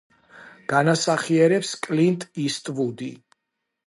განასახიერებს კლინტ ისტვუდი.